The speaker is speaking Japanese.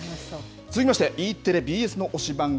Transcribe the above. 続きまして、Ｅテレ、ＢＳの推しバン！